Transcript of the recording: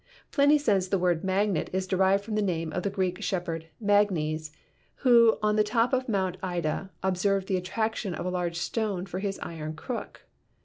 Pliny says the word "magnet" is derived from the name of the Greek shepherd Magnes, who on the top of Mount Ida observed the attraction of a large stone for his iron crook.